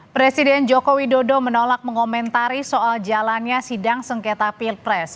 presiden joko widodo menolak mengomentari soal jalannya sidang sengketa pilpres